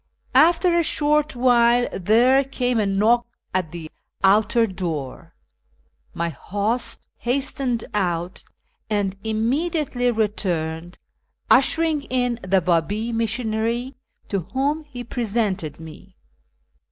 After a short M'hile there came a knock at the outer door ; my host hastened out and immediately returned, ushering in the Babi missionary, to M'hom he presented me.